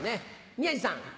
宮治さん。